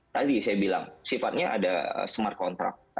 tadi saya bilang sifatnya ada smart contract